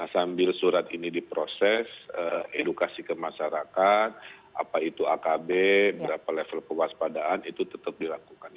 sambil surat ini diproses edukasi ke masyarakat apa itu akb berapa level kewaspadaan itu tetap dilakukan